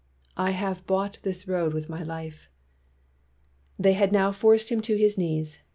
I have bought this road with my life. ' "They had now forced him to his knees.